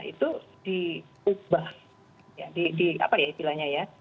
itu diubah ya di apa ya istilahnya ya